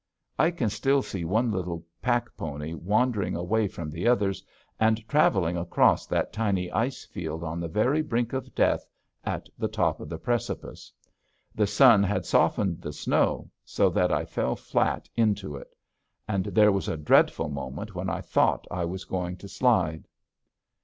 I can still see one little pack pony wandering away from the others and traveling across that tiny ice field on the very brink of death at the top of the precipice. The sun had softened the snow so that I fell flat into it. And there was a dreadful moment when I thought I was going to slide.